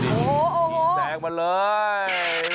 สีแซงมาเลย